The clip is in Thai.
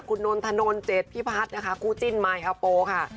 คุณนนทนเจ็ดพี่พัฒน์นะคะกู้จิ้นมายอาโปะค่ะ